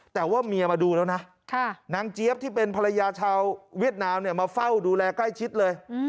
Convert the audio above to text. แต่ว่าเมียมาดูแล้วนะนางเจี๊ยบที่เป็นภรรยาชาวเวียดนามมาเฝ้าดูแลใกล้ชิดเลย